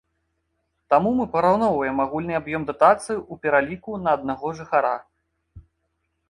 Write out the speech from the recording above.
Таму мы параўноўваем агульны аб'ём датацый у пераліку на аднаго жыхара.